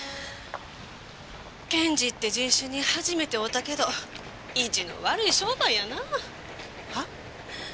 検事って人種に初めて会うたけど意地の悪い商売やなぁ。は？